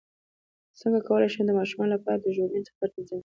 څنګه کولی شم د ماشومانو لپاره د ژوبڼ سفر تنظیم کړم